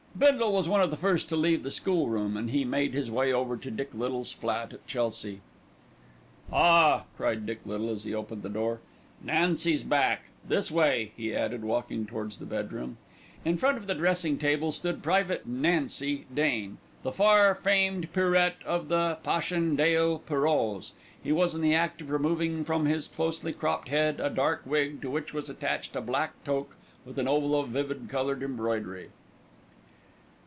Bindle was one of the first to leave the School room, and he made his way over to Dick Little's flat at Chelsea. "Ah!" cried Dick Little as he opened the door, "Nancy's back. This way," he added, walking towards his bedroom. In front of the dressing table stood Private "Nancy" Dane, the far famed Pierrette of the Passchendaele Pierrots. He was in the act of removing from his closely cropped head a dark wig to which was attached a black toque with an oval of vivid coloured embroidery.